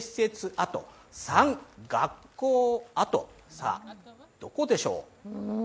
さあ、どこでしょう？